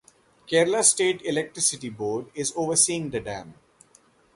Kerala State Electricity Board is overseeing the dam.